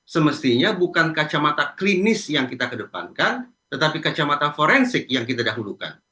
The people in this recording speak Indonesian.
semestinya bukan kacamata klinis yang kita kedepankan tetapi kacamata forensik yang kita dahulukan